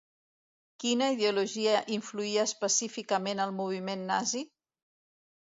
Quina ideologia influïa específicament el moviment nazi?